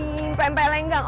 ini pempe lenggang